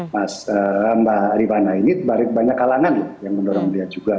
mas mbak rifana ini banyak kalangan yang mendorong dia juga